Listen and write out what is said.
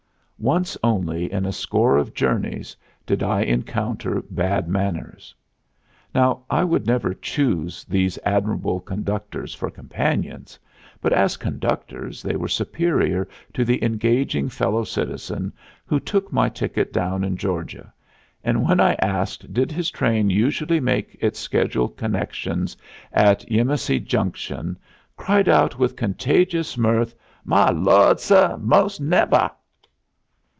Once only in a score of journeys did I encounter bad manners. Now I should never choose these admirable conductors for companions, but as conductors they were superior to the engaging fellow citizen who took my ticket down in Georgia and, when I asked did his train usually make its scheduled connection at Yemassee Junction, cried out with contagious mirth: "My Lawd, suh, 'most nevah!"